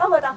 oh buat aku